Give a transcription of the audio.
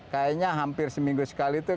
kayaknya hampir seminggu sekali itu